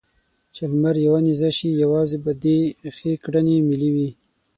چې لمر يوه نېزه شي؛ يوازې به دې ښې کړنې ملې وي.